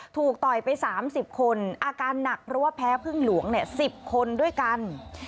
ต่อยไป๓๐คนอาการหนักเพราะว่าแพ้พึ่งหลวง๑๐คนด้วยกัน